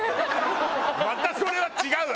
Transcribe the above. またそれは違うわ！